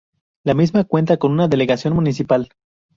La misma cuenta con una Delegación municipal.